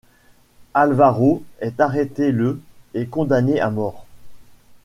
Álvaro est arrêté le et condamné à mort.